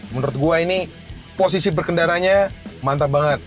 menurut gua ini posisi berkendaranya mantap banget